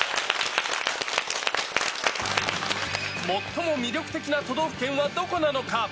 最も魅力的な都道府県はどこなのか。